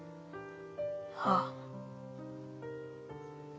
ああ。